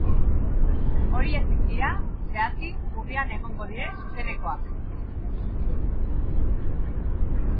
Horiexek dira, zehazki, urrian egongo diren zuzenekoak.